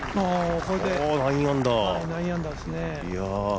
これで９アンダーですね。